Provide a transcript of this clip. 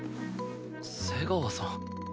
瀬川さん。